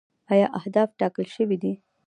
آیا اهداف ټاکل شوي دي؟